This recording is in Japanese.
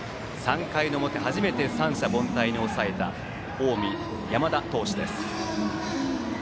３回の表初めて三者凡退に抑えた近江、山田投手です。